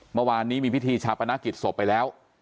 เมื่อวานนี้มีพิธีชาปนกิจศพไปแล้ว